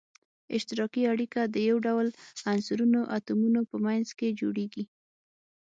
اشتراکي اړیکه د یو ډول عنصرونو اتومونو په منځ کې جوړیږی.